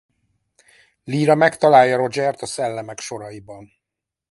Lyra megtalálja Rogert a szellemek soraiban.